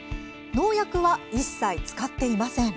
農薬は一切、使っていません。